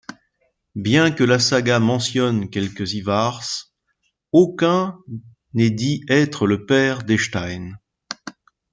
Bien que la Saga mentionne quelques Ivars, aucun n'est dit être le père d'Eystein.